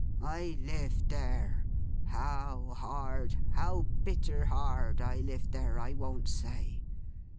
I lived there. How hard—how bitter hard, I lived there, I won't say.